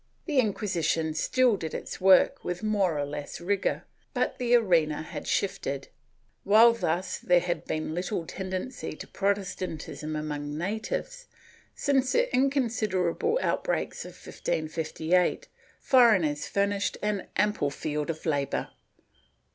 The Inquisition still did its work with more or less rigor, but the arena had shifted. While thus there had been little tendency to Protestantism among natives, since the inconsiderable outbreaks of 1558, for eigners furnished an ample field of labor.